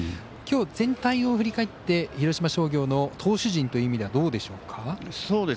きょう、全体を振り返って広島商業の投手陣という意味ではどうでしょうか？